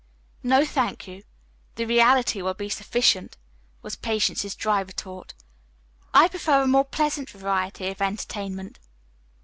"No, thank you. The reality will be sufficient," was Patience's dry retort. "I prefer a more pleasant variety of entertainment."